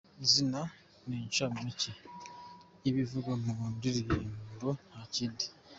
Izina ni nk’incamake y’ibivugwa mu ndirimbo nta kindi.